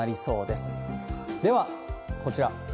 では、こちら。